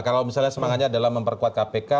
kalau misalnya semangatnya adalah memperkuat kpk